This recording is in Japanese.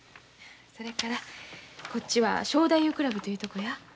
それからこっちは正太夫倶楽部というとこや。